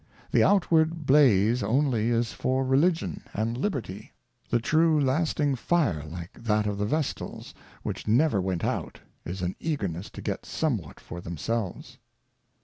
The outward Blaze only is for Religion and Liberty : The true lasting Fire, like that of the Vestals which never went out, is an eagerness to get some what for themselves.